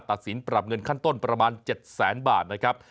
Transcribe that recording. ตัดสินปรับเงินขั้นต้นประมาณ๗แสนบาทนะครับ